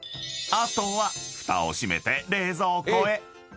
［あとはふたを閉めて冷蔵庫へ］